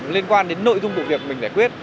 liên quan đến nội dung vụ việc mình giải quyết